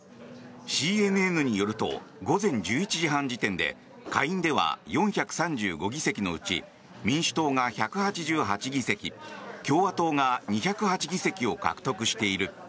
ＣＮＮによると午前１１時半時点で下院では４３５の議席のうち民主党が１８８議席共和党が２０８議席を獲得している。